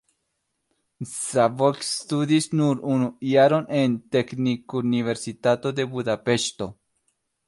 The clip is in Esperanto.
Szabolcs studis nur unu jaron en Teknikuniversitato de Budapeŝto.